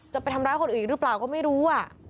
จะไปทำร้ายคนอื่นหรือเปล่าก็ไม่รู้